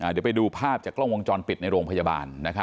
เดี๋ยวไปดูภาพจากกล้องวงจรปิดในโรงพยาบาล